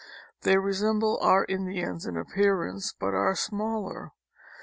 They resemble our Indians in appearance, but are smaller.